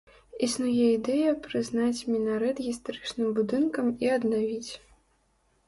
Існуе ідэя прызнаць мінарэт гістарычным будынкам і аднавіць.